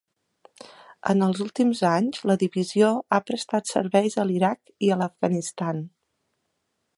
En els últims anys, la divisió ha prestat serveis a l'Iraq i l'Afganistan.